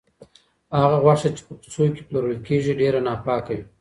هغه غوښه چې په کوڅو کې پلورل کیږي، ډېره ناپاکه وي.